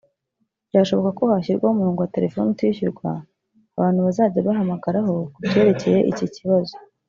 Byashoboka ko hashyirwaho umurongo wa telefoni utishyurwa abantu bazajya bahamagaraho ku byerekeye iki kibazo